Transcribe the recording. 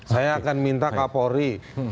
saya akan minta kapolri